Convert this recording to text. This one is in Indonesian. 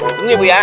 tunggu ya bu ya